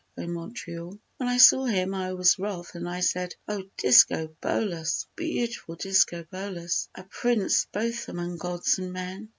O Montreal! When I saw him I was wroth and I said, "O Discobolus! Beautiful Discobolus, a Prince both among gods and men!